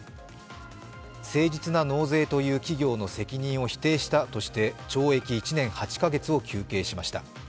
誠実な納税という企業の責任を否定したとして懲役１年８カ月を休憩しました。